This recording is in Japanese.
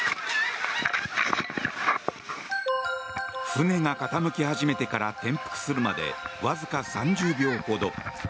船が傾き始めてから転覆するまでわずか３０秒ほど。